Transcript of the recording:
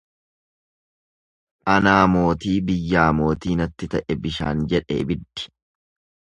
Anaa mootii biyyaa mootii natti ta'e bishaan jedhe ibiddi.